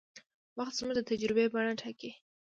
وخت زموږ د تجربې بڼه ټاکي.